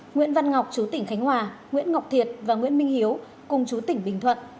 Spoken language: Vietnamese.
nguyễn văn ngọc chú tỉnh khánh hòa nguyễn ngọc thiện và nguyễn minh hiếu cùng chú tỉnh bình thuận